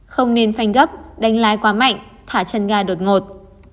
không nên phanh gấp đánh lái quá mạnh thả chân ga đột ngột